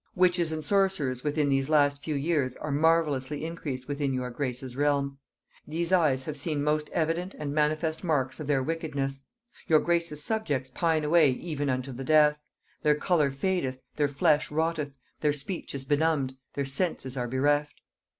"Witches and sorcerers within these last few years are marvellously increased within your grace's realm. These eyes have seen most evident and manifest marks of their wickedness. Your grace's subjects pine away even unto the death; their color fadeth, their flesh rotteth, their speech is benumbed, their senses are bereft.